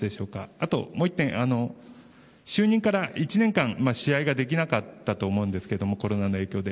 あともう１点就任から１年間試合ができなかったと思うんですけどコロナの影響で。